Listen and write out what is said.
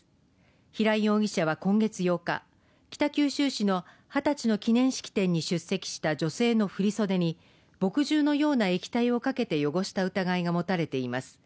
平井容疑者は今月８日北九州市の二十歳の記念式典に出席した女性の振袖に墨汁のような液体をかけて汚した疑いが持たれています